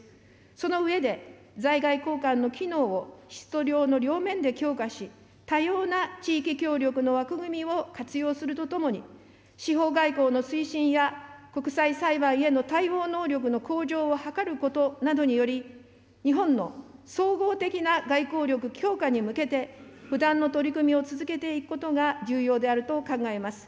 その上で、在外公館の機能を質と量の両面で強化し、多様な地域協力の枠組みを活用するとともに、司法外交の推進や国際裁判への対応能力の向上を図ることなどにより、日本の総合的な外交力強化に向けて、不断の取り組みを続けていくことが重要であると考えます。